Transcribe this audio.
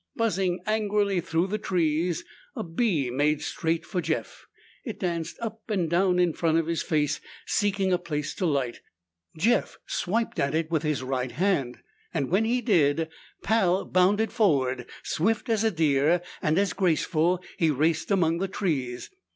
Buzzing angrily through the trees, a bee made straight for Jeff. It danced up and down in front of his face, seeking a place to light. Jeff swiped at it with his right hand. When he did, Pal bounded forward. Swift as a deer, and as graceful, he raced among the trees.